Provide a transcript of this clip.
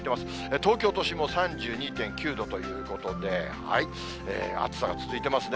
東京都心も３２．９度ということで、暑さが続いてますね。